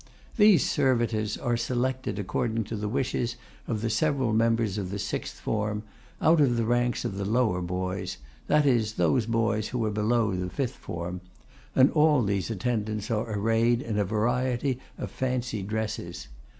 These servitors are selected according to the wishes of the several members of the sixth form, out of the ranks of the lower boys, that is, those boys who are below the fifth form; and all these attendants are arrayed in a variety of fancy dresses.